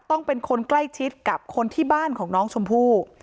ต้องเป็นคนใกล้ชิดกับคนที่บ้านของน้องชมพู่